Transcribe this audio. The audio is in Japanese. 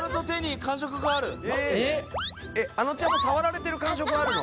あのちゃんも触られてる感触はあるの？